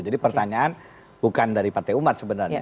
jadi pertanyaan bukan dari partai umat sebenarnya